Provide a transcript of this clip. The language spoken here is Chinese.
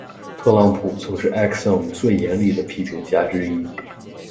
特朗普曾是 ExIm 最严厉的批评家之一。